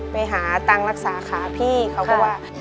ไปหาตังค์รักษาขาพี่เขาก็ว่า